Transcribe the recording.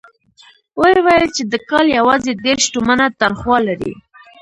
ويې ويل چې د کال يواځې دېرش تومنه تنخوا لري.